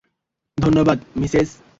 ধন্যবাদ, মিসেস।